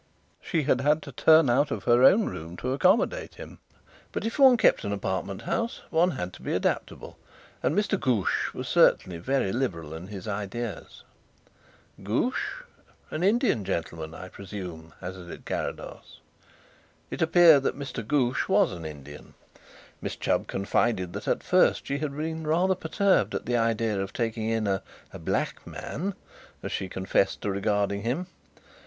She had had to turn out of her own room to accommodate him, but if one kept an apartment house one had to be adaptable; and Mr. Ghoosh was certainly very liberal in his ideas. "Ghoosh? An Indian gentleman, I presume?" hazarded Carrados. It appeared that Mr. Ghoosh was an Indian. Miss Chubb confided that at first she had been rather perturbed at the idea of taking in "a black man," as she confessed to regarding him.